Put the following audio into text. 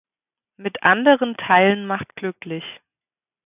Mit anderen teilen macht glücklich.